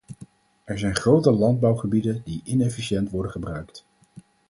Er zijn grote landbouwgebieden die inefficiënt worden gebruikt.